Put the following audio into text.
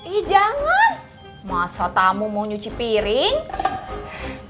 ih jangan masa tamu mau cuci piring